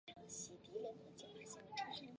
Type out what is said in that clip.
桑格布斯。